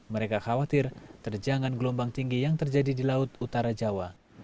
mereka khawatir terjangan gelombang tinggi yang terjadi di laut utara jawa